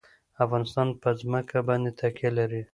افغانستان په ځمکه باندې تکیه لري.